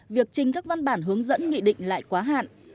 việc trình các văn bản hướng dẫn nghị định lại quá hạn